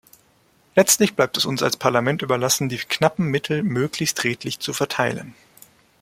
Letztlich bleibt es uns als Parlament überlassen, die knappen Mittel möglichst redlich zu verteilen.